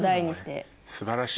素晴らしい。